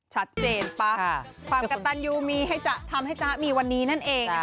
ชัดปั๊บความกระตันยูมีให้จ๊ะทำให้จ๊ะมีวันนี้นั่นเองนะคะ